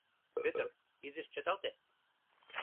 — Пӧтыр, изиш чыталте.